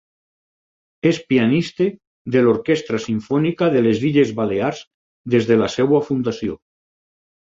És pianista de l'Orquestra Simfònica de les Illes Balears des de la seva fundació.